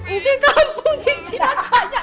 ini kampung cincinan banyak